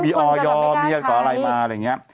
พี่อยเมียก็อะไรมาอะไรอย่างเงี้ย